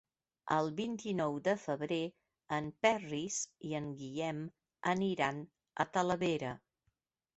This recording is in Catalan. El vint-i-nou de febrer en Peris i en Guillem aniran a Talavera.